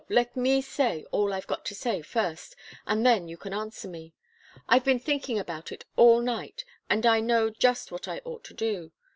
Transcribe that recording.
Let me say all I've got to say first, and then you can answer me. I've been thinking about it all night, and I know just what I ought to do.